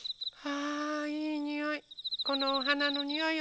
あいいにおい。